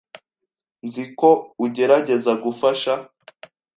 Nzi ko ugerageza gufasha .